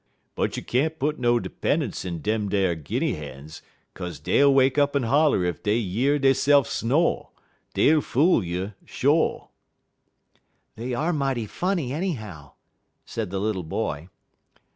"But you can't put no 'pen'unce in dem ar Guinny hins, 'kaze dey'll wake up en holler ef dey year deyse'f sno'. Dey'll fool you, sho'." "They are mighty funny, anyhow," said the little boy.